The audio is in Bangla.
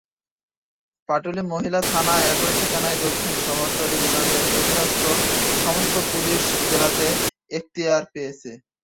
পাটুলি মহিলা থানা একই ঠিকানায় দক্ষিণ শহরতলির বিভাগের অধীনস্থ সমস্ত পুলিশ জেলাতে এখতিয়ার পেয়েছে।